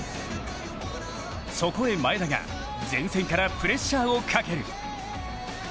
そこへ前田が、前線からプレッシャーをかける。